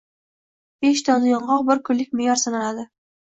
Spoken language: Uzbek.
Besh dona yong‘oq – bir kunlik me’yor sanaladi.